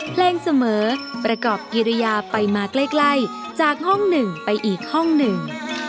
เพลงเสมอประกอบกิริยาไปมาใกล้จากห้องหนึ่งไปอีกห้องหนึ่ง